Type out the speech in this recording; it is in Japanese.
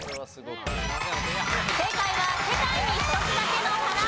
正解は『世界に一つだけの花』。